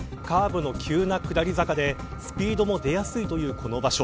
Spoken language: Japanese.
カーブの急な下り坂でスピードも出やすいというこの場所。